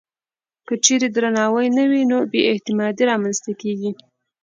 که چېرې درناوی نه وي، نو بې اعتمادي رامنځته کېږي.